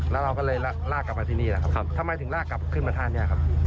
แล้วเราก็เลยลากกลับมาที่นี่แหละครับทำไมถึงลากกลับขึ้นมาท่านี้ครับ